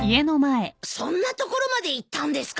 そんな所まで行ったんですか？